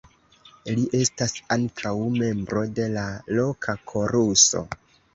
Li estas ankaŭ membro de la loka koruso.